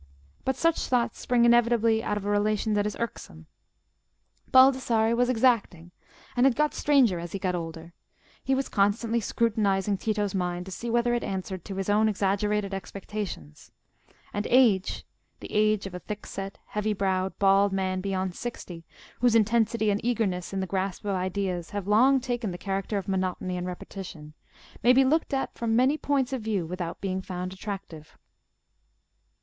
But such thoughts spring inevitably out of a relation that is irksome. Baldassarre was exacting, and had got stranger as he got older: he was constantly scrutinising Tito's mind to see whether it answered to his own exaggerated expectations; and age—the age of a thickset, heavy browed, bald man beyond sixty, whose intensity and eagerness in the grasp of ideas have long taken the character of monotony and repetition, may be looked at from many points of view without being found attractive.